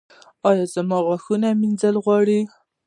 ایا زما غاښ مینځل غواړي؟